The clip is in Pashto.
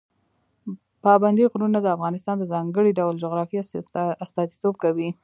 پابندی غرونه د افغانستان د ځانګړي ډول جغرافیه استازیتوب کوي.